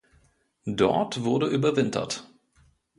Dort wurde überwintert.